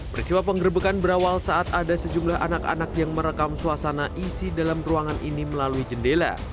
peristiwa penggerbekan berawal saat ada sejumlah anak anak yang merekam suasana isi dalam ruangan ini melalui jendela